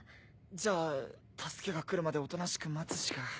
じゃあ助けが来るまでおとなしく待つしか。